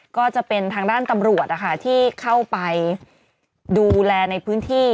ก็จะเป็นทางด้านตำรวจนะคะที่เข้าไปดูแลในพื้นที่